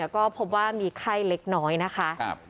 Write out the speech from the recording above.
ก็พบว่ามีไข้เล็กน้อยนะคะ